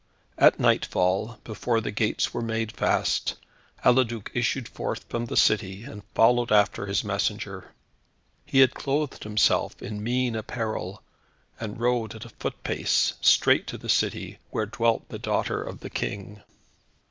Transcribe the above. At nightfall, before the gates were made fast, Eliduc issued forth from the city, and followed after his messenger. He had clothed himself in mean apparel, and rode at a footpace straight to the city, where dwelt the daughter of the King.